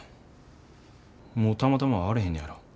もうたまたま会われへんねやろ？